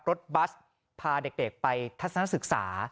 รถบัสพาเด็กไปทัศนศึกษา